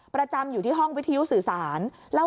ประจำอยู่ที่ห้องวิทยุสื่อสาร